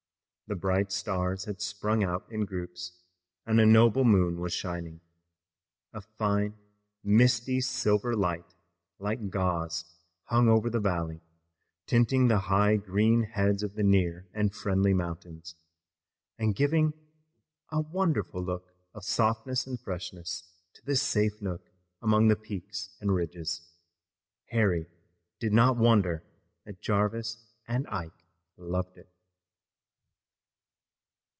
The bright stars had sprung out in groups, and a noble moon was shining. A fine, misty, silver light, like gauze, hung over the valley, tinting the high green heads of the near and friendly mountains, and giving a wonderful look of softness and freshness to this safe nook among the peaks and ridges. Harry did not wonder that Jarvis and Ike loved it.